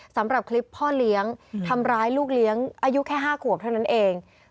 สำหรับคลิปพ่อเลี้ยงทำร้ายลูกเลี้ยงอายุแค่๕ขวบเท่านั้นเอง